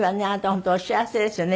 本当お幸せですよね。